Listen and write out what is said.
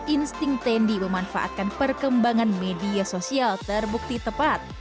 insting tendy memanfaatkan perkembangan media sosial terbukti tepat